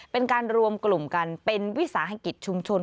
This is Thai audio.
เป็นการรวมกลุ่มกันเป็นวิสาหกิจชุมชน